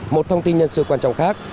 một thông tin nhân sự quan trọng khác